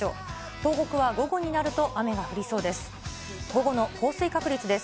東北は午後になると、雨が降りそうです。